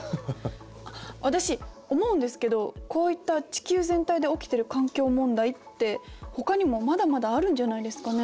私思うんですけどこういった地球全体で起きてる環境問題ってほかにもまだまだあるんじゃないですかね？